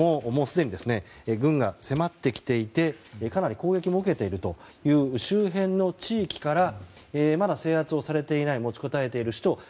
もうすでに軍が迫ってきていてかなり攻撃も受けているという周辺の地域からまだ制圧をされていない持ちこたえている首都